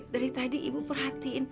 dari tadi ibu perhatiin